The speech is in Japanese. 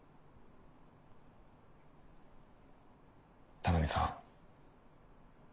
田波さん。